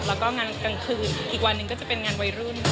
แล้วก็งานกลางคืนอีกวันหนึ่งก็จะเป็นงานวัยรุ่น